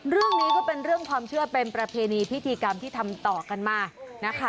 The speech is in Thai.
เรื่องนี้ก็เป็นเรื่องความเชื่อเป็นประเพณีพิธีกรรมที่ทำต่อกันมานะคะ